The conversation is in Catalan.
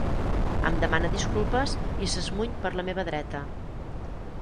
Em demana disculpes i s'esmuny per la meva dreta.